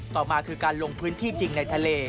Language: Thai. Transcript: ต่อมาคือการลงพื้นที่จริงในทะเล